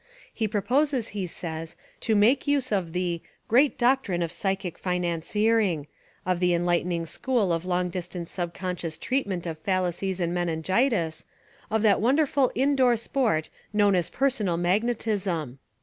He pro poses, he says, to make use of the "great doc trine of psychic financiering — of the enlighten ing school of long distance subconscious treat ment of fallacies and meningitis, — of that won derful in door sport known as personal magne tism."